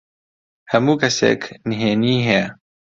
هەموو کەسێک نهێنیی هەیە.